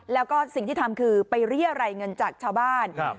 แล้วก็สิ่งที่ทำคือไปเรียรัยเงินจากชาวบ้าน